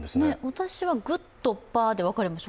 私はグっとパーで分かれましょ